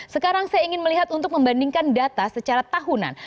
sekarang saya ingin melihat untuk membandingkan data secara tahunan